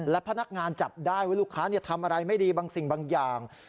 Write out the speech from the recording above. และพนักงานจับได้ว่าลูกค้าทำอะไรไม่ดีบางสิ่งบางอย่าง